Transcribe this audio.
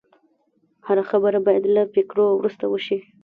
هره خبره باید له فکرو وروسته وشي